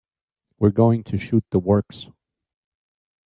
We're going to shoot the works.